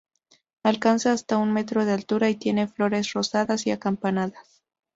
Alcanza hasta un metro de altura y tiene flores rosadas y acampanadas.